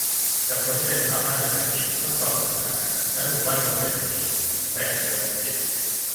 จับคนที่เป็นชาวบ้านและสัตว์กินเพื่อความสนุกสนาน ณ หมู่บ้านดงเศรษฐี แขวงเมืองพิจิตร